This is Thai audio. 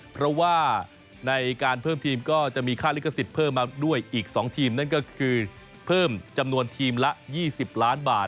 เพราะว่าในการเพิ่มทีมก็จะมีค่าลิขสิทธิ์เพิ่มมาด้วยอีก๒ทีมนั่นก็คือเพิ่มจำนวนทีมละ๒๐ล้านบาท